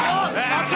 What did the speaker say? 課長！